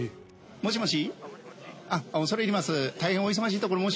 もしもし。